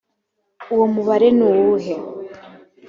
uwo mubare nuwuhe